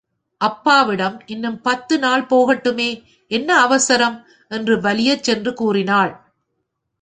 அப்பாவிடம், இன்னும் பத்து நாள் போகட்டுமே, என்ன அவசரம்? என்று வலியச் சென்று கூறினாள்.